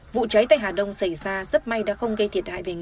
vụ cháy tại hà đông xảy ra rất may đã không gây